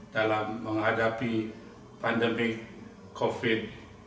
dalam menghadapi pandemi covid sembilan belas